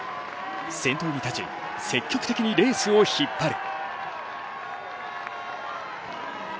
先頭に立ち、積極的にレースを引っ張る。